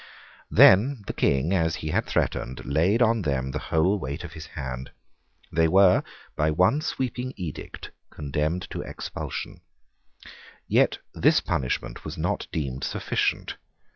Then the King, as he had threatened, laid on them the whole weight of his hand. They were by one sweeping edict condemned to expulsion. Yet this punishment was not deemed sufficient.